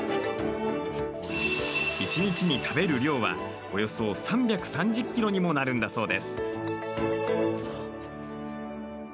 一日に食べる量はおよそ３３０ｋｇにもなるんだそうです。